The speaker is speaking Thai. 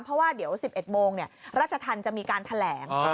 เพราะว่าเดี๋ยวสิบเอ็ดโมงเนี่ยราชธรรมน์จะมีการแถลง